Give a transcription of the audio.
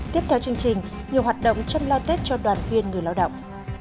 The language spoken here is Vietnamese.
tiếp theo chương trình nhiều hoạt động chăm lao tết cho đoàn khuyên người lao động